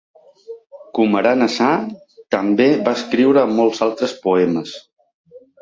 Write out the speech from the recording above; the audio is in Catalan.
Kumaran Asan també va escriure molts altres poemes.